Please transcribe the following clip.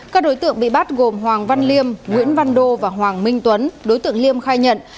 các đối tượng bị bắt gồm hoàng văn liêm nguyễn văn đô và hoàng minh tuấn đối tượng liêm khai nhận